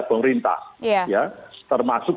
pemerintah ya termasuk